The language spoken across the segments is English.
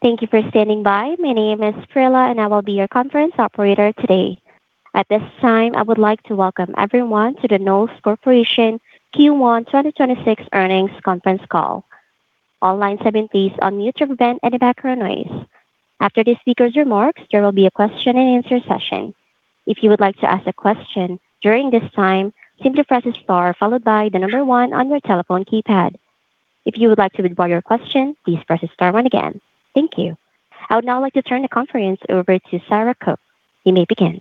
Thank you for standing by. My name is Prilla, and I will be your conference operator today. At this time, I would like to welcome everyone to the Knowles Corporation Q1 2026 earnings conference call. All lines have been placed on mute to prevent any background noise. After the speaker's remarks, there will be a question-and-answer session. If you would like to ask a question during this time, simply press star followed by the number one on your telephone keypad. If you would like to withdraw your question, please press star one again. Thank you. I would now like to turn the conference over to Sarah Cook. You may begin.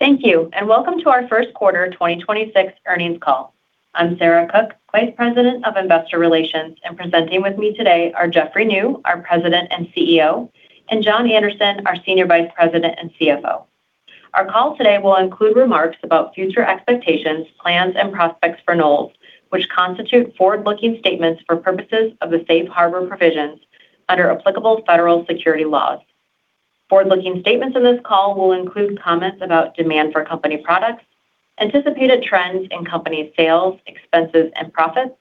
Thank you, and welcome to our first quarter 2026 earnings call. I'm Sarah Cook, Vice President of investor relations, and presenting with me today are Jeffrey Niew, our President and CEO, and John Anderson, our Senior Vice President and CFO. Our call today will include remarks about future expectations, plans, and prospects for Knowles, which constitute forward-looking statements for purposes of the safe harbor provisions under applicable federal securities laws. Forward-looking statements in this call will include comments about demand for company products, anticipated trends in company sales, expenses, and profits,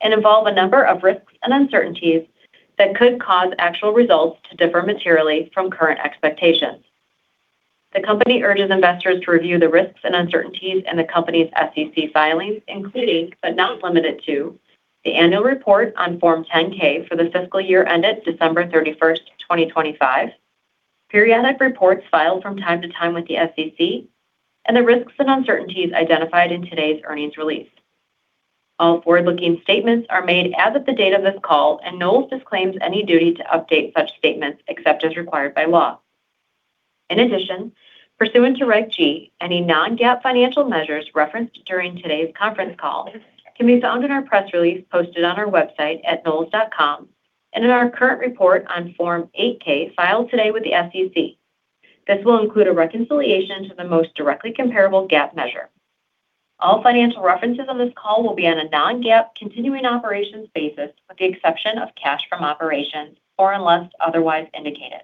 and involve a number of risks and uncertainties that could cause actual results to differ materially from current expectations. The company urges investors to review the risks and uncertainties in the company's SEC filings, including, but not limited to, the annual report on Form 10-K for the fiscal year ended December 31st, 2025, periodic reports filed from time to time with the SEC, and the risks and uncertainties identified in today's earnings release. All forward-looking statements are made as of the date of this call, and Knowles disclaims any duty to update such statements except as required by law. In addition, pursuant to Regulation G, any non-GAAP financial measures referenced during today's conference call can be found in our press release posted on our website at knowles.com and in our current report on Form 8-K filed today with the SEC. This will include a reconciliation to the most directly comparable GAAP measure. All financial references on this call will be on a non-GAAP continuing operations basis, with the exception of cash from operations, or unless otherwise indicated.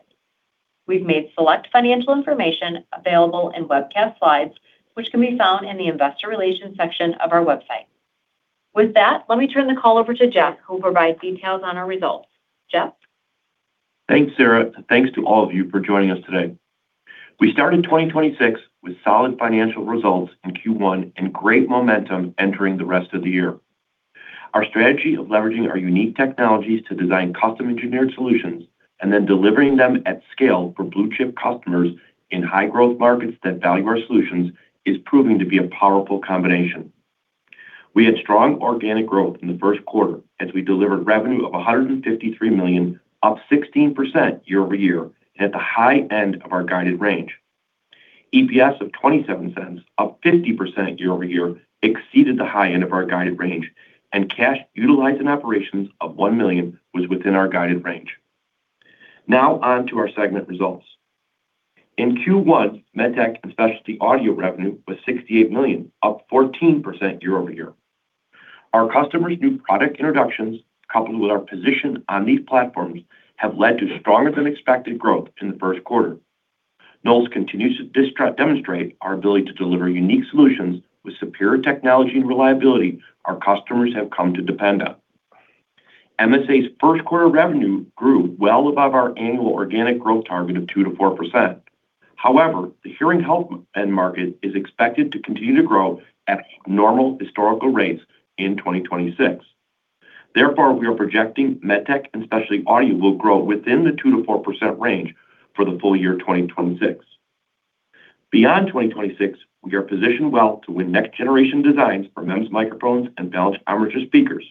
We've made select financial information available in webcast slides, which can be found in the investor relations section of our website. With that, let me turn the call over to Jeff, who will provide details on our results. Jeff? Thanks, Sarah. Thanks to all of you for joining us today. We started 2026 with solid financial results in Q1 and great momentum entering the rest of the year. Our strategy of leveraging our unique technologies to design custom-engineered solutions and then delivering them at scale for blue-chip customers in high-growth markets that value our solutions is proving to be a powerful combination. We had strong organic growth in the first quarter as we delivered revenue of $153 million, up 16% year-over-year, at the high end of our guided range. EPS of $0.27, up 50% year-over-year, exceeded the high end of our guided range, and cash utilized in operations of $1 million was within our guided range. Now on to our segment results. In Q1, MedTech & Specialty Audio revenue was $68 million, up 14% year-over-year. Our customers' new product introductions, coupled with our position on these platforms, have led to stronger-than-expected growth in the first quarter. Knowles continues to demonstrate our ability to deliver unique solutions with superior technology and reliability our customers have come to depend on. MSA's first quarter revenue grew well above our annual organic growth target of 2%-4%. However, the hearing health end market is expected to continue to grow at normal historical rates in 2026. Therefore, we are projecting MedTech & Specialty Audio will grow within the 2%-4% range for the full year 2026. Beyond 2026, we are positioned well to win next-generation designs for MEMS microphones and balanced armature speakers.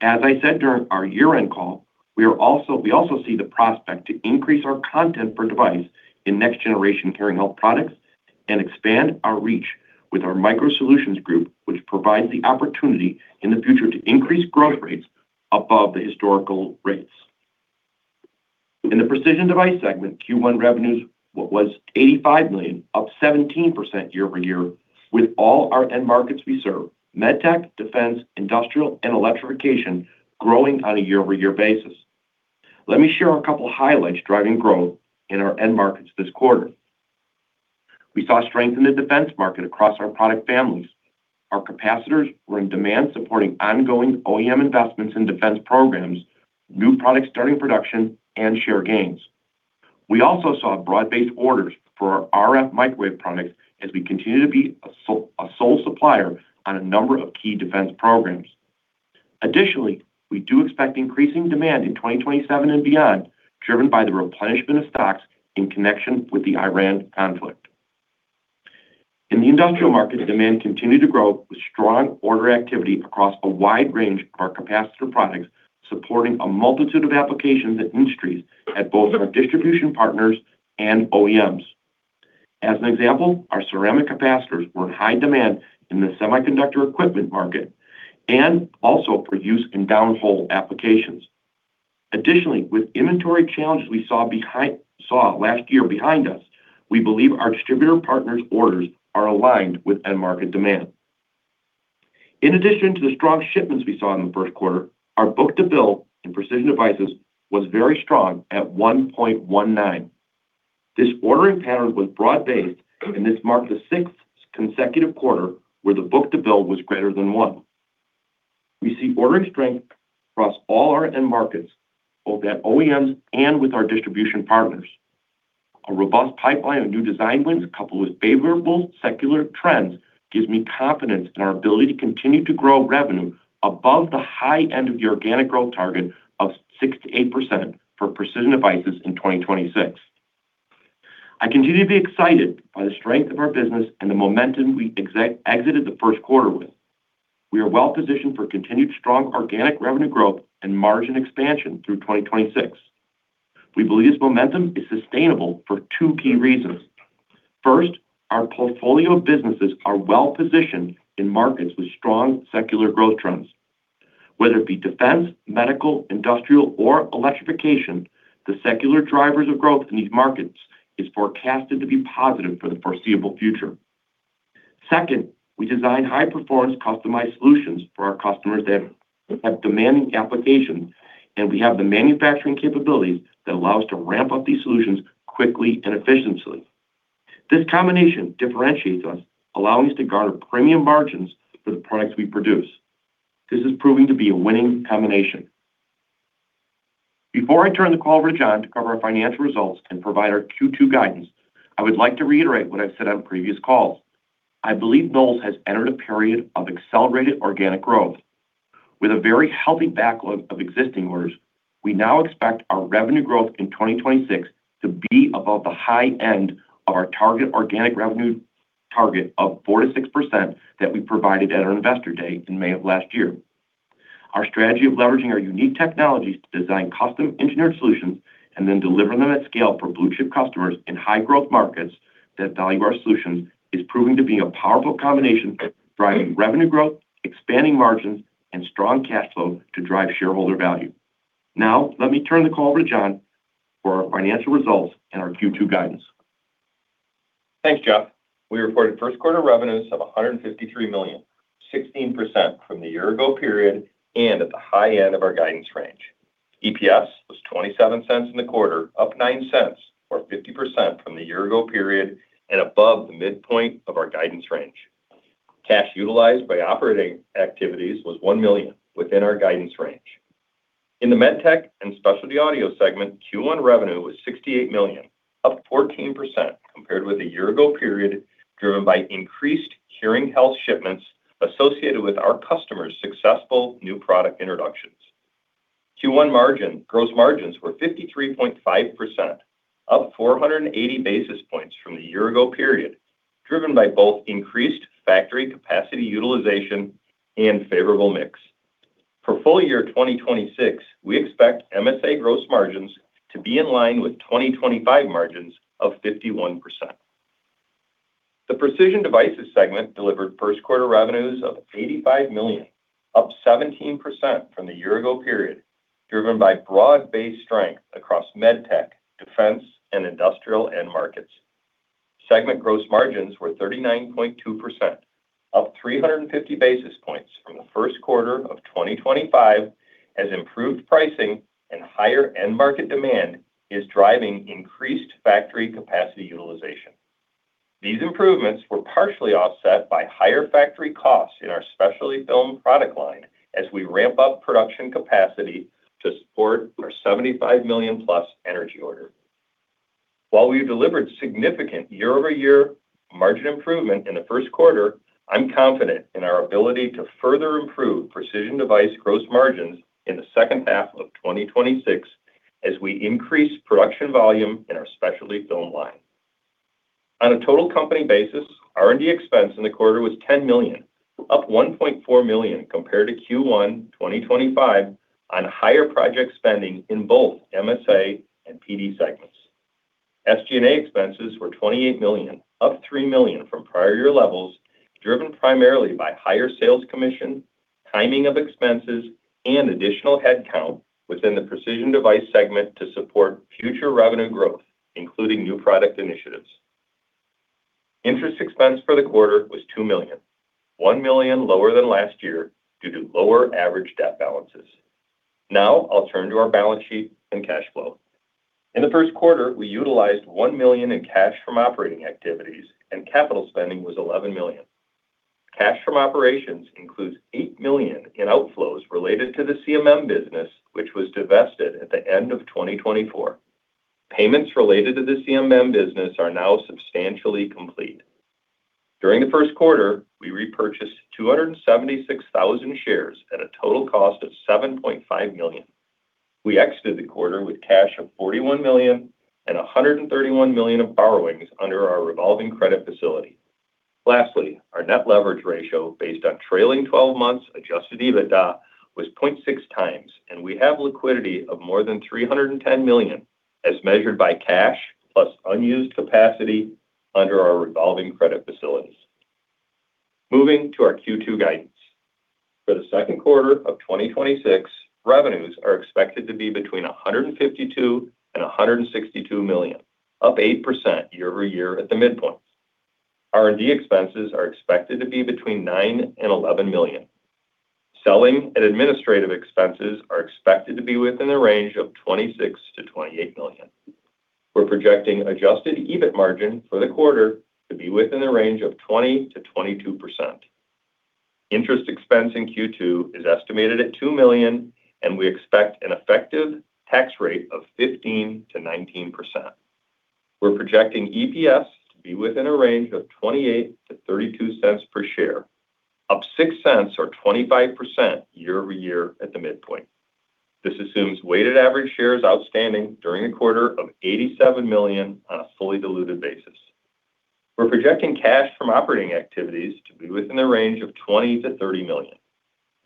As I said during our year-end call, we also see the prospect to increase our content per device in next-generation hearing health products and expand our reach with our Micro Solutions Group, which provides the opportunity in the future to increase growth rates above the historical rates. In the Precision Devices segment, Q1 revenues was $85 million, up 17% year-over-year, with all our end markets we serve, MedTech, Defense, Industrial, and Electrification, growing on a year-over-year basis. Let me share a couple highlights driving growth in our end markets this quarter. We saw strength in the defense market across our product families. Our capacitors were in demand supporting ongoing OEM investments in defense programs, new products starting production, and share gains. We also saw broad-based orders for our RF microwave products as we continue to be a sole supplier on a number of key defense programs. We do expect increasing demand in 2027 and beyond, driven by the replenishment of stocks in connection with the Iran conflict. In the industrial market, demand continued to grow with strong order activity across a wide range of our capacitor products, supporting a multitude of applications and industries at both our distribution partners and OEMs. As an example, our ceramic capacitors were in high demand in the semiconductor equipment market and also for use in downhole applications. With inventory challenges we saw last year behind us, we believe our distributor partners' orders are aligned with end market demand. In addition to the strong shipments we saw in the first quarter, our book-to-bill in Precision Devices was very strong at 1.19. This ordering pattern was broad-based, and this marked the sixth consecutive quarter where the book-to-bill was greater than one. We see ordering strength across all our end markets, both at OEMs and with our distribution partners. A robust pipeline of new design wins, coupled with favorable secular trends, gives me confidence in our ability to continue to grow revenue above the high end of the organic growth target of 6%-8% for Precision Devices in 2026. I continue to be excited by the strength of our business and the momentum we exited the first quarter with. We are well-positioned for continued strong organic revenue growth and margin expansion through 2026. We believe this momentum is sustainable for two key reasons. First, our portfolio of businesses are well-positioned in markets with strong secular growth trends. Whether it be defense, medical, industrial, or electrification, the secular drivers of growth in these markets is forecasted to be positive for the foreseeable future. Second, we design high-performance customized solutions for our customers that have demanding applications, and we have the manufacturing capabilities that allow us to ramp up these solutions quickly and efficiently. This combination differentiates us, allowing us to garner premium margins for the products we produce. This is proving to be a winning combination. Before I turn the call over to John to cover our financial results and provide our Q2 guidance, I would like to reiterate what I've said on previous calls. I believe Knowles has entered a period of accelerated organic growth. With a very healthy backlog of existing orders, we now expect our revenue growth in 2026 to be above the high end of our target organic revenue target of 4%-6% that we provided at our Investor Day in May of last year. Our strategy of leveraging our unique technologies to design custom-engineered solutions and then delivering them at scale for blue-chip customers in high-growth markets that value our solutions is proving to be a powerful combination, driving revenue growth, expanding margins, and strong cash flow to drive shareholder value. Now, let me turn the call over to John for our financial results and our Q2 guidance. Thanks, Jeff. We reported first quarter revenues of $153 million, up 16% from the year ago period, and at the high end of our guidance range. EPS was $0.27 in the quarter, up $0.09, or 50% from the year ago period, and above the midpoint of our guidance range. Cash utilized by operating activities was $1 million, within our guidance range. In the MedTech & Specialty Audio segment, Q1 revenue was $68 million, up 14% compared with the year ago period, driven by increased hearing health shipments associated with our customers' successful new product introductions. Q1 gross margins were 53.5%, up 480 basis points from the year ago period, driven by both increased factory capacity utilization and favorable mix. For full year 2026, we expect MSA gross margins to be in line with 2025 margins of 51%. The Precision Devices segment delivered first quarter revenues of $85 million, up 17% from the year ago period, driven by broad-based strength across MedTech, Defense, and Industrial end markets. Segment gross margins were 39.2%, up 350 basis points from the first quarter of 2025, as improved pricing and higher end market demand is driving increased factory capacity utilization. These improvements were partially offset by higher factory costs in our specialty film product line as we ramp up production capacity to support our $75 million-plus energy order. While we delivered significant year-over-year margin improvement in the first quarter, I'm confident in our ability to further improve Precision Devices gross margins in the second half of 2026 as we increase production volume in our specialty film line. On a total company basis, R&D expense in the quarter was $10 million, up $1.4 million compared to Q1 2025 on higher project spending in both MSA and PD segments. SG&A expenses were $28 million, up $3 million from prior year levels, driven primarily by higher sales commission, timing of expenses, and additional head count within the Precision Devices segment to support future revenue growth, including new product initiatives. Interest expense for the quarter was $2 million, $1 million lower than last year due to lower average debt balances. Now, I'll turn to our balance sheet and cash flow. In the first quarter, we utilized $1 million in cash from operating activities, and capital spending was $11 million. Cash from operations includes $8 million in outflows related to the CMM Business, which was divested at the end of 2024. Payments related to the CMM Business are now substantially complete. During the first quarter, we repurchased 276,000 shares at a total cost of $7.5 million. We exited the quarter with cash of $41 million and $131 million of borrowings under our revolving credit facility. Lastly, our net leverage ratio, based on trailing 12 months adjusted EBITDA, was 0.6 times, and we have liquidity of more than $310 million as measured by cash plus unused capacity under our revolving credit facilities. Moving to our Q2 guidance. For the second quarter of 2026, revenues are expected to be between $152 million and $162 million, up 8% year-over-year at the midpoint. R&D expenses are expected to be between $9 million and $11 million. Selling and administrative expenses are expected to be within the range of $26 million-$28 million. We're projecting adjusted EBIT margin for the quarter to be within the range of 20%-22%. Interest expense in Q2 is estimated at $2 million, and we expect an effective tax rate of 15%-19%. We're projecting EPS to be within a range of $0.28-$0.32 per share, up $0.06 or 25% year-over-year at the midpoint. This assumes weighted average shares outstanding during the quarter of 87 million on a fully diluted basis. We're projecting cash from operating activities to be within the range of $20 million-$30 million.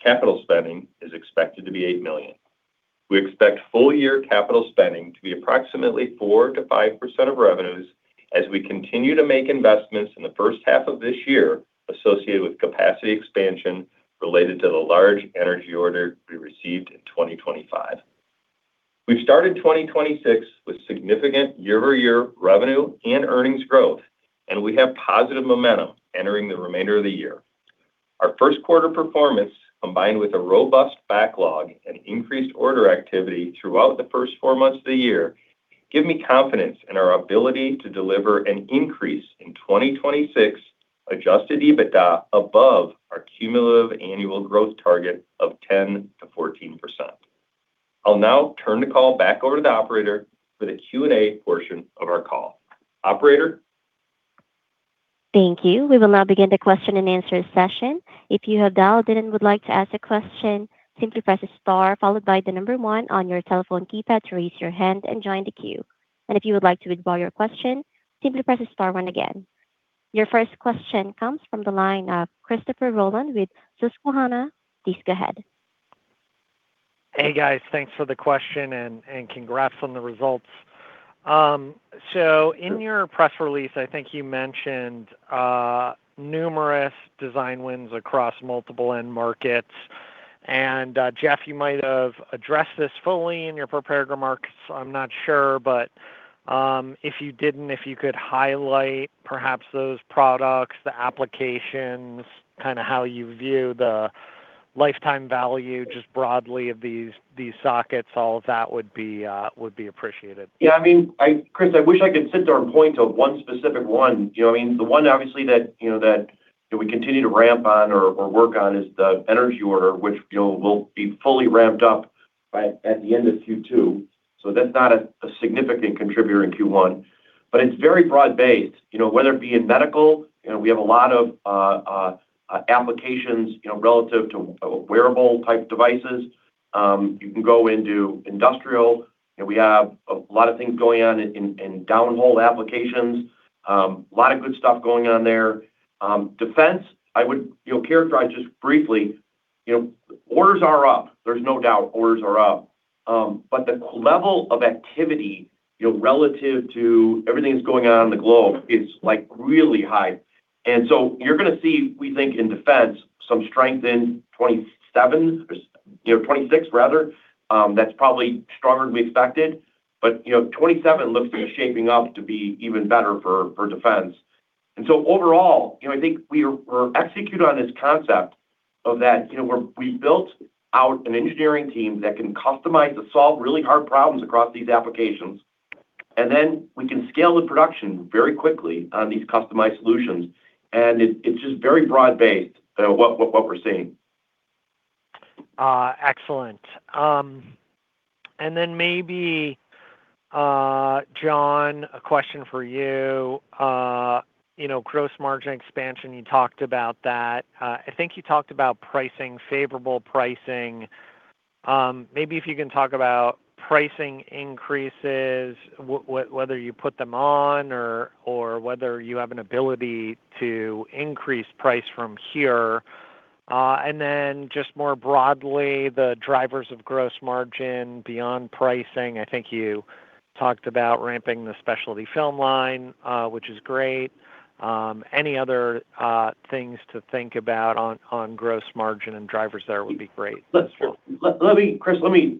Capital spending is expected to be $8 million. We expect full year capital spending to be approximately 4%-5% of revenues as we continue to make investments in the first half of this year associated with capacity expansion related to the large energy order we received in 2025. We've started 2026 with significant year-over-year revenue and earnings growth, and we have positive momentum entering the remainder of the year. Our first quarter performance, combined with a robust backlog and increased order activity throughout the first four months of the year, give me confidence in our ability to deliver an increase in 2026 adjusted EBITDA above our cumulative annual growth target of 10%-14%. I'll now turn the call back over to the operator for the Q&A portion of our call. Operator? Thank you. We will now begin the question and answer session. If you have dialed in and would like to ask a question, simply press star followed by the number one on your telephone keypad to raise your hand and join the queue. If you would like to withdraw your question, simply press star one again. Your first question comes from the line of Christopher Rolland with Susquehanna. Please go ahead. Hey, guys. Thanks for the question and congrats on the results. In your press release, I think you mentioned numerous design wins across multiple end markets. Jeff, you might have addressed this fully in your prepared remarks, I'm not sure, but if you didn't, if you could highlight perhaps those products, the applications, kind of how you view the lifetime value just broadly of these sockets, all of that would be appreciated. Yeah, Chris, I wish I could sit there and point to one specific one. The one obviously that we continue to ramp on or work on is the energy order, which will be fully ramped up by the end of Q2. That's not a significant contributor in Q1. It's very broad-based, whether it be in medical, we have a lot of applications relative to wearable type devices. You can go into industrial, and we have a lot of things going on in downhole applications. A lot of good stuff going on there. Defense, I would characterize just briefly, orders are up. There's no doubt orders are up. The level of activity relative to everything that's going on in the globe is really high. You're going to see, we think in defense, some strength in 2027, 2026 rather, that's probably stronger than we expected. 2027 looks to be shaping up to be even better for defense. Overall, I think we execute on this concept of that we built out an engineering team that can customize to solve really hard problems across these applications. We can scale the production very quickly on these customized solutions, and it's just very broad-based what we're seeing. Excellent. Maybe, John, a question for you. Gross margin expansion, you talked about that. I think you talked about pricing, favorable pricing. Maybe if you can talk about pricing increases, whether you put them on or whether you have an ability to increase price from here. Just more broadly, the drivers of gross margin beyond pricing. I think you talked about ramping the specialty film line, which is great. Any other things to think about on gross margin and drivers there would be great as well. Sure. Chris, let me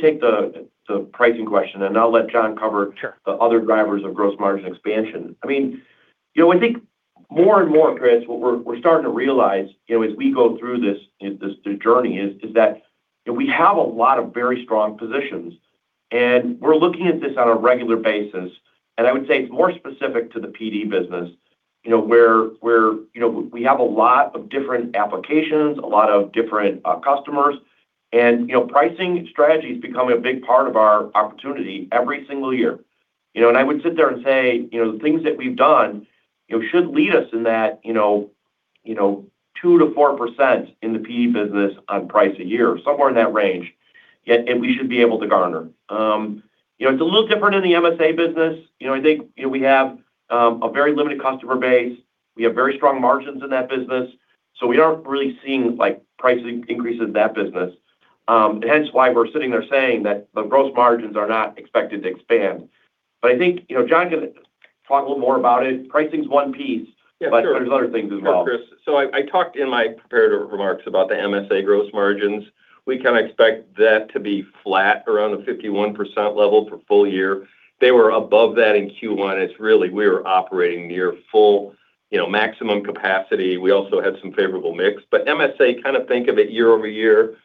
take the pricing question, and I'll let John cover. Sure The other drivers of gross margin expansion. I think more and more, Chris, what we're starting to realize as we go through this journey is that we have a lot of very strong positions, and we're looking at this on a regular basis. I would say it's more specific to the PD business, where we have a lot of different applications, a lot of different customers. Pricing strategy is becoming a big part of our opportunity every single year. I would sit there and say the things that we've done should lead us in that 2%-4% in the PD business on price a year, somewhere in that range, and we should be able to garner. It's a little different in the MSA business. I think we have a very limited customer base. We have very strong margins in that business, so we aren't really seeing price increases in that business. Hence why we're sitting there saying that the gross margins are not expected to expand. I think John can talk a little more about it. Pricing is one piece. Yeah, sure. There's other things involved. Yeah, Chris. I talked in my prepared remarks about the MSA gross margins. We can expect that to be flat around the 51% level for full year. They were above that in Q1. It's really we were operating near full maximum capacity. We also had some favorable mix, but MSA kind of think of it year-over-year,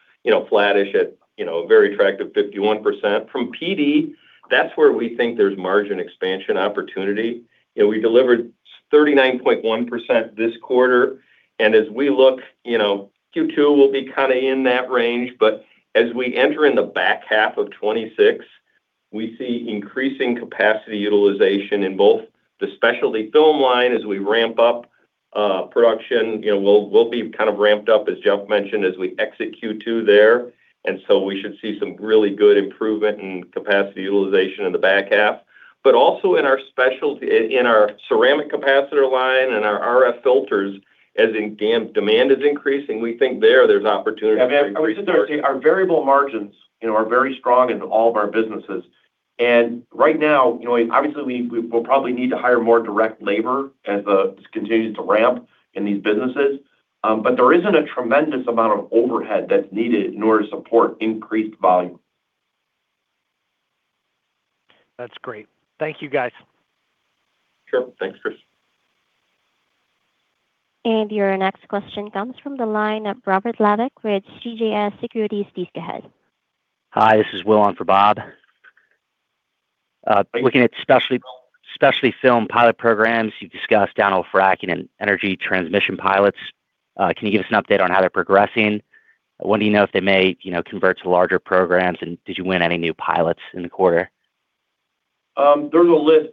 flattish at a very attractive 51%. From PD, that's where we think there's margin expansion opportunity. We delivered 39.1% this quarter, and as we look, Q2 will be kind of in that range, but as we enter in the back half of 2026, we see increasing capacity utilization in both the specialty film line as we ramp up production. We'll be kind of ramped up, as Jeff mentioned, as we exit Q2 there, and so we should see some really good improvement in capacity utilization in the back half. Also in our ceramic capacitor line and our RF filters, as demand is increasing, we think there's opportunity. I would sit there and say our variable margins are very strong in all of our businesses. Right now, obviously, we will probably need to hire more direct labor as this continues to ramp in these businesses. There isn't a tremendous amount of overhead that's needed in order to support increased volume. That's great. Thank you, guys. Sure. Thanks, Chris. Your next question comes from the line of Robert Labick with CJS Securities. Please go ahead. Hi, this is Will on for Bob. Looking at specialty film pilot programs, you've discussed downhole fracking and energy transmission pilots. Can you give us an update on how they're progressing? When do you know if they may convert to larger programs, and did you win any new pilots in the quarter? There's a list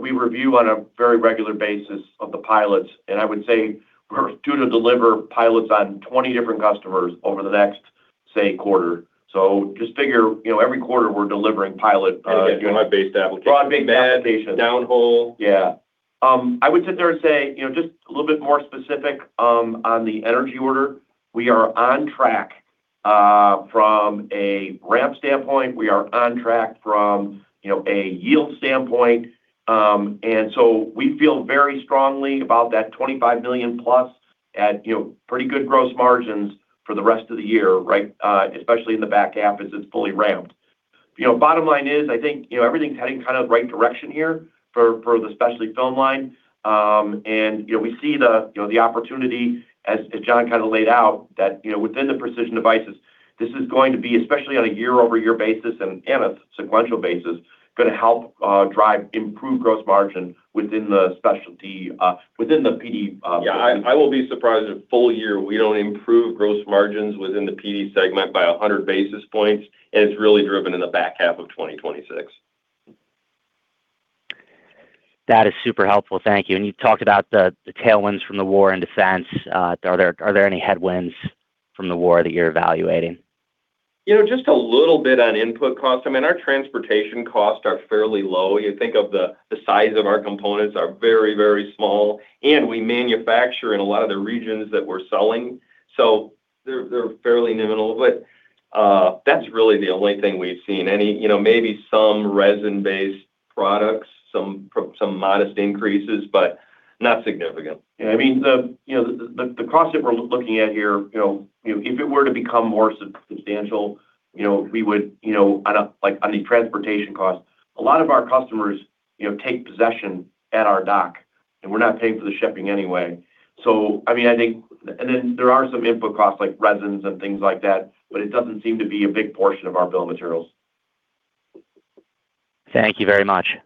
we review on a very regular basis of the pilots, and I would say we're due to deliver pilots on 20 different customers over the next, say, quarter. Just figure, every quarter we're delivering pilot. Again, unit-based applications. Broad-based applications. Downhole. Yeah. I would sit there and say, just a little bit more specific on the energy order. We are on track from a ramp standpoint. We are on track from a yield standpoint. We feel very strongly about that $25 million+ at pretty good gross margins for the rest of the year, especially in the back half as it's fully ramped. Bottom line is, I think everything's heading kind of right direction here for the specialty film line. We see the opportunity as John kind of laid out that within the Precision Devices, this is going to be, especially on a year-over-year basis and a sequential basis, going to help drive improved gross margin within the PD. Yeah, I will be surprised if full year, we don't improve gross margins within the PD segment by 100 basis points, and it's really driven in the back half of 2026. That is super helpful. Thank you. You talked about the tailwinds from the war in defense. Are there any headwinds from the war that you're evaluating? Just a little bit on input cost. I mean, our transportation costs are fairly low. You think of the size of our components are very, very small, and we manufacture in a lot of the regions that we're selling. They're fairly minimal. That's really the only thing we've seen. Maybe some resin-based products, some modest increases, but not significant. Yeah, I mean, the cost that we're looking at here, if it were to become more substantial, on the transportation cost, a lot of our customers take possession at our dock, and we're not paying for the shipping anyway. There are some input costs like resins and things like that, but it doesn't seem to be a big portion of our bill of materials. Thank you very much.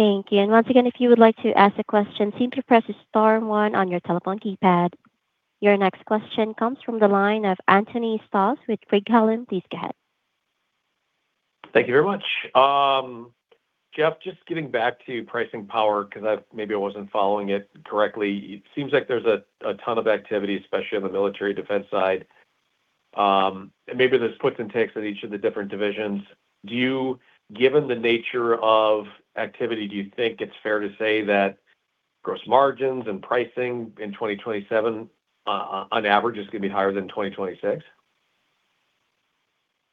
Thank you. Once again, if you would like to ask a question, simply press star one on your telephone keypad. Your next question comes from the line of Anthony Stoss with Craig-Hallum. Please go ahead. Thank you very much. Jeff, just getting back to pricing power, because maybe I wasn't following it correctly. It seems like there's a ton of activity, especially on the military defense side. Maybe there's puts and takes in each of the different divisions. Given the nature of activity, do you think it's fair to say that gross margins and pricing in 2027 on average is going to be higher than 2026?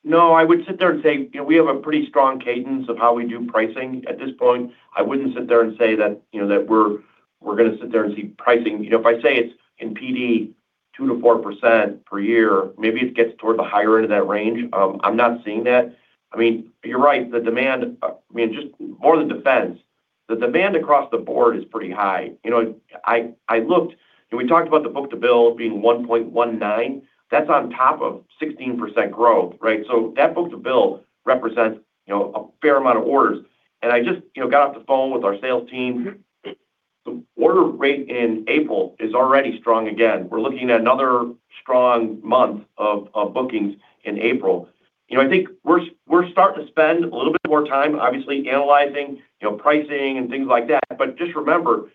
No, I would sit there and say we have a pretty strong cadence of how we do pricing at this point. I wouldn't sit there and say that we're going to sit there and see pricing. If I say it's in PD 2%-4% per year, maybe it gets toward the higher end of that range. I'm not seeing that. I mean, you're right, the demand, I mean, just more the defense. The demand across the board is pretty high. I looked and we talked about the book-to-bill being 1.19. That's on top of 16% growth, right? That book-to-bill represents a fair amount of orders. I just got off the phone with our sales team. The order rate in April is already strong again. We're looking at another strong month of bookings in April. I think we're starting to spend a little bit more time, obviously, analyzing pricing and things like that. Just remember,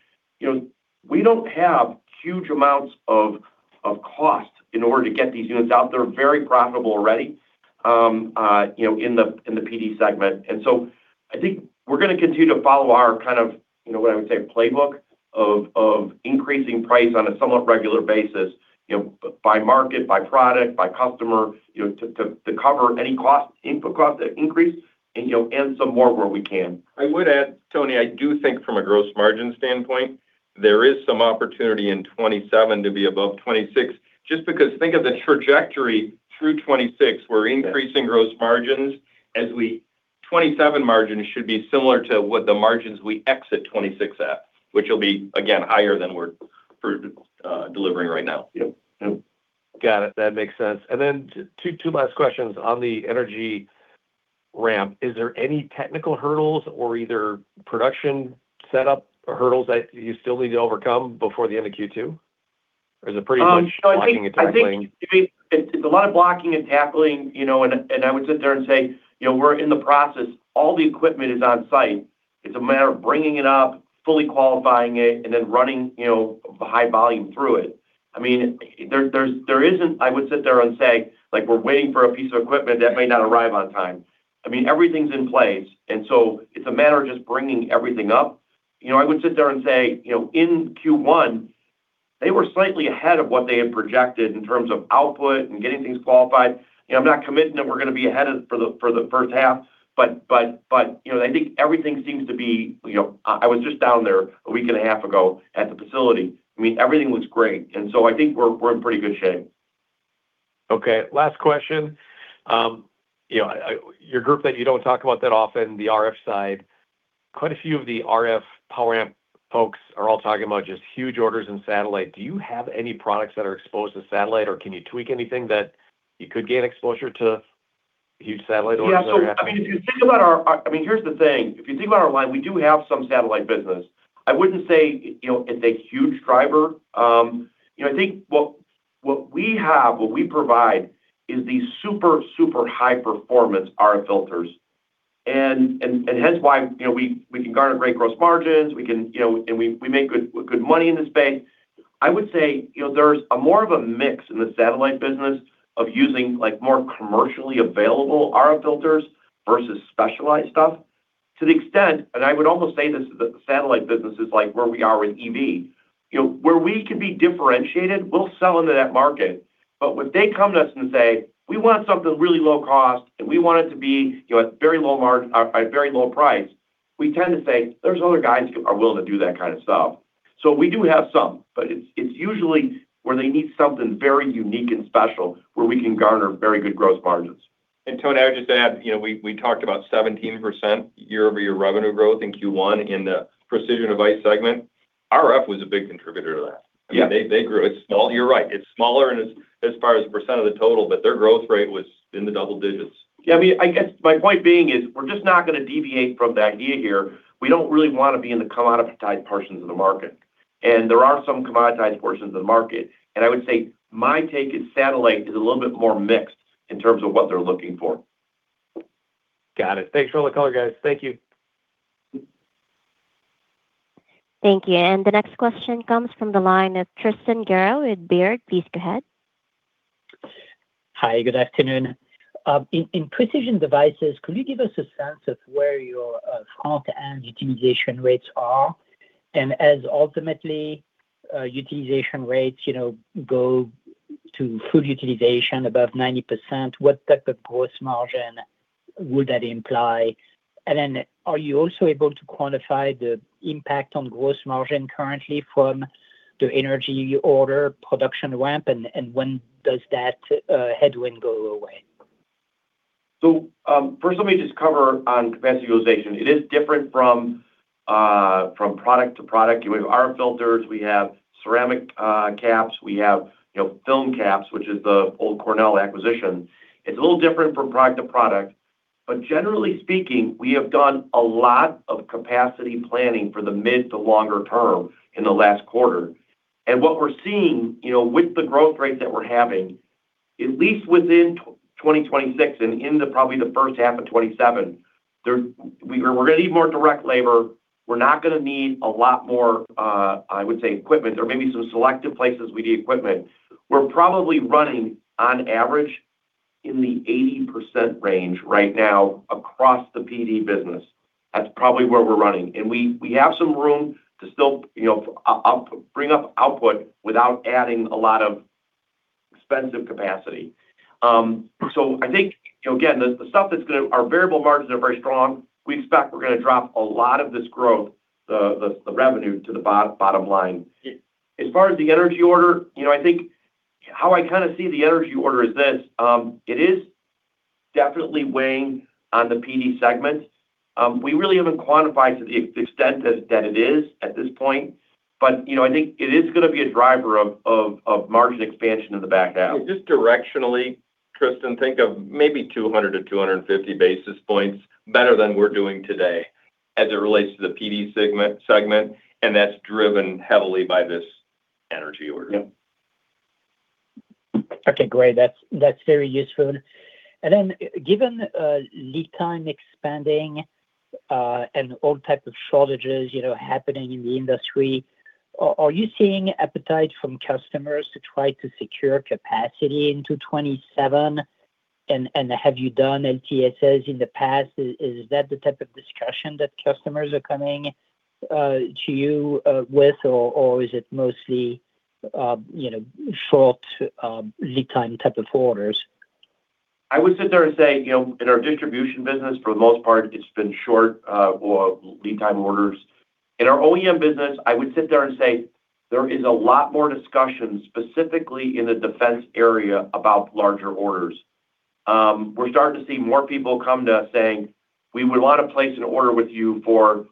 we don't have huge amounts of cost in order to get these units out. They're very profitable already in the PD segment. I think we're going to continue to follow our kind of what I would say playbook of increasing price on a somewhat regular basis by market, by product, by customer to cover any input cost increase and some more where we can. I would add, Tony, I do think from a gross margin standpoint. There is some opportunity in 2027 to be above 2026 just because think of the trajectory through 2026. We're increasing gross margins as we 2027 margins should be similar to what the margins we exit 2026 at, which will be, again, higher than we're delivering right now. Yep. Got it. That makes sense. Two last questions on the energy ramp. Is there any technical hurdles or other production setup hurdles that you still need to overcome before the end of Q2, or is it pretty much blocking and tackling? I think it's a lot of blocking and tackling. I would sit there and say, we're in the process. All the equipment is on-site. It's a matter of bringing it up, fully qualifying it, and then running high volume through it. I would sit there and say, we're waiting for a piece of equipment that may not arrive on time. Everything's in place, and so it's a matter of just bringing everything up. I would sit there and say, in Q1, they were slightly ahead of what they had projected in terms of output and getting things qualified. I'm not committing that we're going to be ahead for the first half, but I think everything seems to be. I was just down there a week and a half ago at the facility. Everything looks great. I think we're in pretty good shape. Okay. Last question. Your group that you don't talk about that often, the RF side, quite a few of the RF power amp folks are all talking about just huge orders in satellite. Do you have any products that are exposed to satellite, or can you tweak anything that you could gain exposure to huge satellite orders in the near term? Yeah. Here's the thing. If you think about our line, we do have some satellite business. I wouldn't say it's a huge driver. I think what we have, what we provide is these super high-performance RF filters, and hence why we can garner great gross margins, and we make good money in this space. I would say there's a more of a mix in the satellite business of using more commercially available RF filters versus specialized stuff to the extent, and I would almost say this, the satellite business is like where we are with EV. Where we can be differentiated, we'll sell into that market. When they come to us and say, "We want something really low cost, and we want it to be at a very low price," we tend to say, "There's other guys who are willing to do that kind of stuff." We do have some, but it's usually where they need something very unique and special where we can garner very good gross margins. Tony, I would just add, we talked about 17% year-over-year revenue growth in Q1 in the Precision Devices segment. RF was a big contributor to that. Yeah. They grew. You're right. It's smaller as far as the percent of the total, but their growth rate was in the double digits. Yeah. I guess my point being is we're just not going to deviate from the idea here. We don't really want to be in the commoditized portions of the market, and there are some commoditized portions of the market. I would say my take is satellite is a little bit more mixed in terms of what they're looking for. Got it. Thanks for all the color, guys. Thank you. Thank you. The next question comes from the line of Tristan Gerra with Baird. Please go ahead. Hi. Good afternoon. In Precision Devices, could you give us a sense of where your front-end utilization rates are? As ultimately, utilization rates go to full utilization above 90%, what type of gross margin would that imply? Are you also able to quantify the impact on gross margin currently from the energy order production ramp, and when does that headwind go away? First let me just cover on capacity utilization. It is different from product to product. We have RF filters, we have ceramic caps, we have film caps, which is the old Cornell acquisition. It's a little different from product to product. Generally speaking, we have done a lot of capacity planning for the mid to longer term in the last quarter. What we're seeing, with the growth rate that we're having, at least within 2026 and into probably the first half of 2027, we're going to need more direct labor. We're not going to need a lot more, I would say, equipment, or maybe some selective places we need equipment. We're probably running on average in the 80% range right now across the PD business. That's probably where we're running, and we have some room to still bring up output without adding a lot of expensive capacity. I think, again, our variable margins are very strong. We expect we're going to drop a lot of this growth, the revenue to the bottom line. As far as the energy order, I think how I kind of see the energy order is this, it is definitely weighing on the PD segment. We really haven't quantified to the extent that it is at this point. I think it is going to be a driver of margin expansion in the back half. Just directionally, Tristan, think of maybe 200-250 basis points better than we're doing today as it relates to the PD segment, and that's driven heavily by this energy order. Yep. Okay, great. That's very useful. Then given lead time expanding, and all type of shortages happening in the industry, are you seeing appetite from customers to try to secure capacity into 2027, and have you done LTAs in the past? Is that the type of discussion that customers are coming to you with, or is it mostly short lead time type of orders? I would sit there and say, in our distribution business, for the most part, it's been short lead time orders. In our OEM business, I would sit there and say there is a lot more discussion, specifically in the defense area, about larger orders. We're starting to see more people come to us saying, "We would want to place an order with you for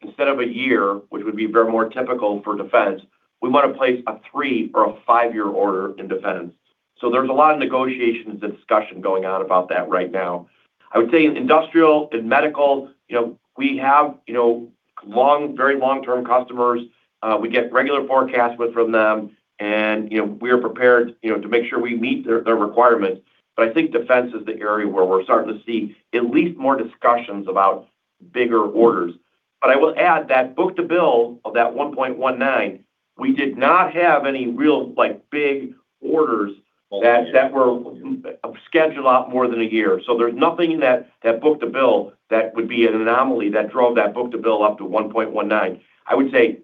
instead of a year," which would be very more typical for defense, "We want to place a 3- or 5-year order in defense." There's a lot of negotiations and discussion going on about that right now. I would say in industrial and medical, we have very long-term customers. We get regular forecasts from them, and we are prepared to make sure we meet their requirements. I think defense is the area where we're starting to see at least more discussions about bigger orders. I will add that book-to-bill of that 1.19, we did not have any real big orders that were scheduled out more than a year. There's nothing in that book-to-bill that would be an anomaly that drove that book-to-bill up to 1.19. I would say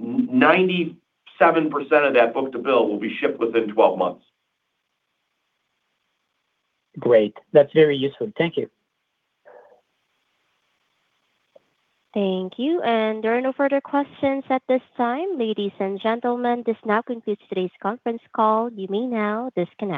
97% of that book-to-bill will be shipped within 12 months. Great. That's very useful. Thank you. Thank you. There are no further questions at this time. Ladies and gentlemen, this now concludes today's conference call. You may now disconnect.